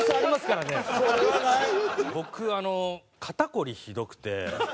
僕あの肩凝りひどくて。